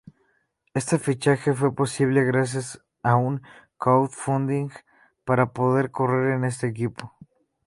Este fichaje fu posible gracias a un Crowdfunding para poder correr en este equipo.